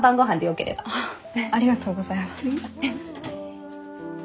ありがとうございます。